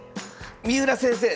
三浦先生！